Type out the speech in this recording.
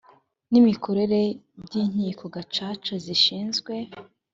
n imikorere by inkiko gacaca zishinzwe